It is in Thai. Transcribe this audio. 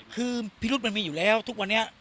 คือพิรุษมันมีอยู่แล้วทุกวันนี้